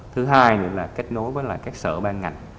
thứ hai nữa là kết nối với các sở ban ngành